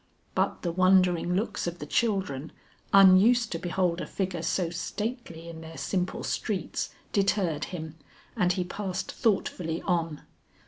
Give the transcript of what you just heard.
But the wondering looks of the children unused to behold a figure so stately in their simple streets deterred him and he passed thoughtfully on.